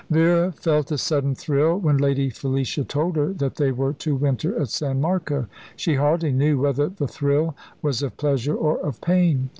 Vera felt a sudden thrill when Lady Felicia told her that they were to winter at San Marco. She hardly knew whether the thrill was of pleasure or of pain.